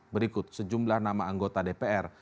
berikut sejumlah nama anggota dpr